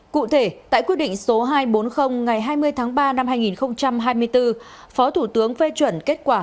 cụ thể tại quyết định số hai trăm bốn mươi ngày hai mươi tháng ba năm hai nghìn hai mươi bốn phó thủ tướng phê chuẩn kết quả